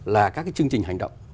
là các cái chương trình hành động